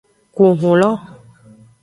Ku hun lo.